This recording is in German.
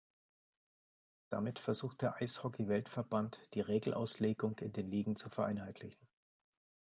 Damit versucht der Eishockey-Weltverband die Regelauslegung in den Ligen zu vereinheitlichen.